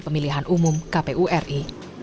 pemilihan umum kpu ri